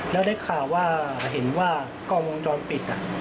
แล้วได้ข่าวว่าเห็นว่ากล้องวงจรปิด